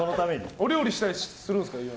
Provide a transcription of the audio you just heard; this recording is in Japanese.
お料理したりするんですか？